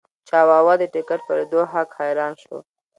چاواوا د ټکټ په لیدو هک حیران شو.